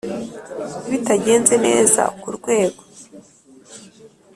Bitagenze neza ku rwego